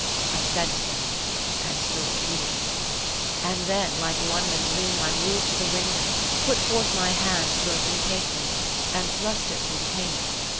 I said so, and stood repeating it. And then, like one in a dream, I moved to the window, put forth my hand to open the casement, and thrust it through the pane.